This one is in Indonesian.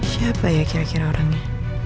siapa ya kira kira orangnya